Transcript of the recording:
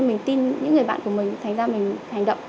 mình tin những người bạn của mình thấy ra mình hành động